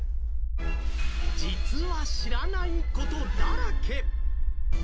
実は知らない事だらけ。